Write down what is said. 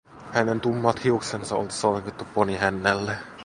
Hänen tummat hiuksensa oli solmittu ponihännälle.